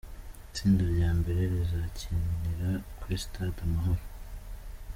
Itsinda rya mbere : Rizakinira kuri sitade Amahoro